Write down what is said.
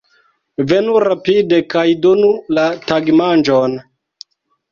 Venu rapide kaj donu la tagmanĝon!